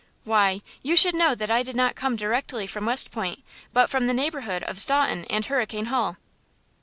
"Why, you should know that I did not come direct from West Point, but from the neighborhood of Staunton and Hurricane Hall."